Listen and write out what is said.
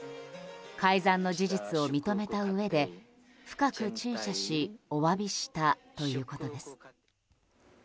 改ざんの事実を認めたうえで深く陳謝しお詫びしたということです。